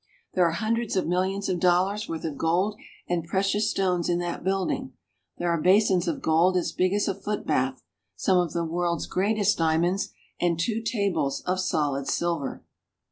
There are hun dreds of millions of dollars worth of gold and precious stones in that building ; there are basins of gold as big as a foot bath, some of the world's greatest diamonds, and two tables of solid silver.